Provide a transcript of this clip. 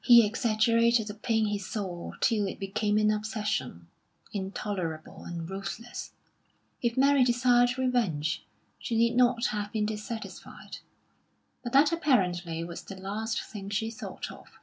He exaggerated the pain he saw till it became an obsession, intolerable and ruthless; if Mary desired revenge, she need not have been dissatisfied. But that apparently was the last thing she thought of.